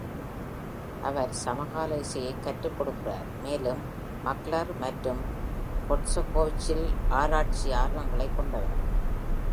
அவர் சமகால இசையை கற்றுக்கொடுக்கிறார் மேலும் மஹ்லர் மற்றும் ஷோஸ்டகோவிச்சில் ஆராய்ச்சி ஆர்வங்களைக் கொண்டவர்.